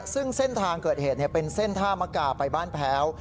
ซึ่งเส้นทางเกิดเหตุเป็นเส้นท่ามกาไปบ้านแพ้ว